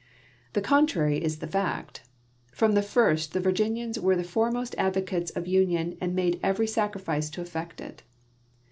The contrary is the fact. From the first the Virginians were the foremost advocates of union and made every sacrifice to effect it.